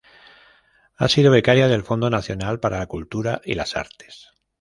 Ha sido becaria del Fondo Nacional para la Cultura y las Artes.